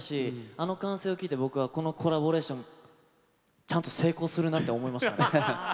あの歓声を聞いてこのコラボレーションちゃんと成功するなって思いました。